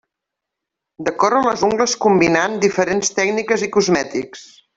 Decora les ungles combinant diferents tècniques i cosmètics.